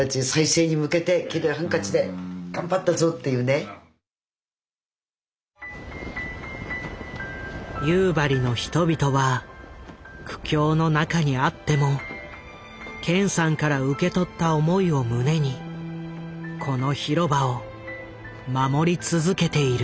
これはもう夕張の人々は苦境の中にあっても健さんから受け取った思いを胸にこのひろばを守り続けている。